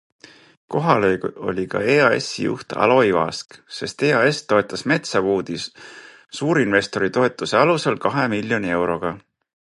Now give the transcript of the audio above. Kohal oli ka EAS-i juht Alo Ivask, sest EAS toetas Metsä Woodi suurinvstori toetuse alusel kahe miljoni euroga.